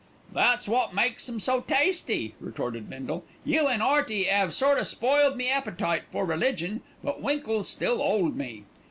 "That's wot makes 'em so tasty," retorted Bindle. "You an' 'Earty 'ave sort o' spoiled me appetite for religion; but winkles still 'old me."